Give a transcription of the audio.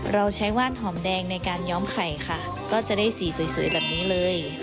เราใช้ว่านหอมแดงในการย้อมไข่ค่ะก็จะได้สีสวยแบบนี้เลย